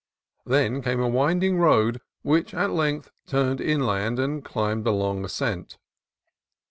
Then came a winding road, which at length turned inland and climbed a long ascent.